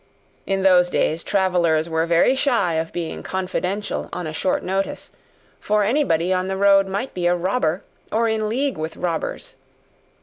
In those days, travellers were very shy of being confidential on a short notice, for anybody on the road might be a robber or in league with robbers.